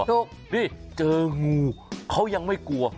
ถูกนี่เจองูเขายังไม่กลัว